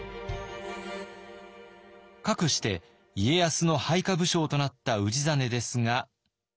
かくして家康の配下武将となった氏真ですが。